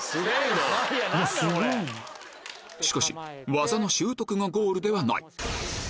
しかし技の習得がゴールではないうめぇな！